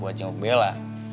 buat nyingguk bella